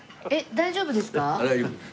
大丈夫です。